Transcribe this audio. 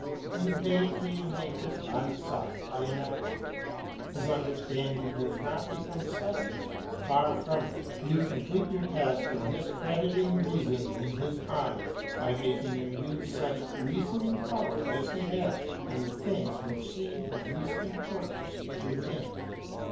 In vain do you make his body soft by inaction; his understanding does not become subtle. Far from it, you complete your task of discrediting reason in his eyes, by making him use such reasoning power as he has on the things which seem of least importance to him.